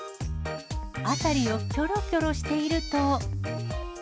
辺りをきょろきょろしていると。